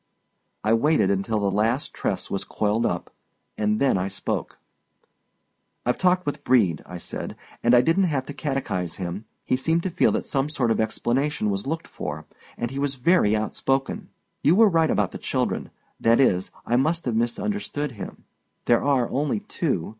I waited until the last tress was coiled up, and then I spoke: "I've talked with Brede," I said, "and I didn't have to catechize him. He seemed to feel that some sort of explanation was looked for, and he was very outspoken. You were right about the children—that is, I must have misunderstood him. There are only two.